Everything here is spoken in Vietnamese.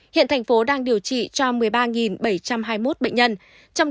hiện tp đang điều trị cho một mươi ba bảy trăm hai mươi một bệnh nhân